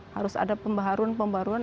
harus ada pembaruan pembaruan